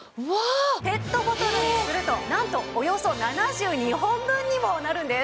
ペットボトルにするとなんとおよそ７２本分にもなるんです！